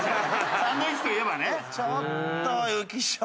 サンドイッチといえばね。